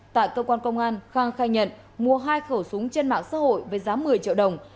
tại cơ quan công an khang khai nhận mua hai khẩu súng trên mạng xã hội với giá một mươi triệu đồng